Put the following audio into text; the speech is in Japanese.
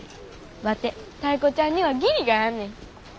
ワテタイ子ちゃんには義理があんねん。